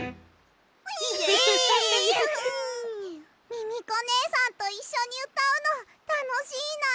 ミミコねえさんといっしょにうたうのたのしいな。